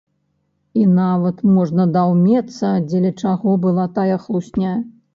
І нават можна даўмецца, дзеля чаго была тая хлусня.